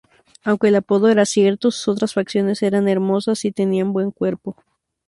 Aunque el apodo era cierto, sus otras facciones eran hermosas y tenía buen cuerpo.